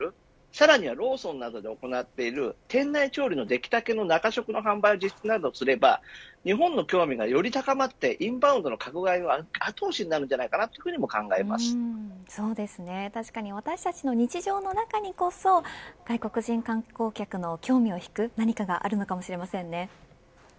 さらにやローソンで行っている店内調理のできたての中食の販売をすれば日本への興味がより高まってインバウンドの拡大を後押しすることになると確かに私たちの日常の中にこそ外国人観光客の興味を引く何かがあるのかもしれませんね。